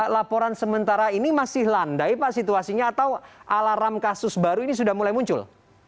laporan sementara ini masih landai pak situasinya atau alarm kasus baru ini sudah mulai muncul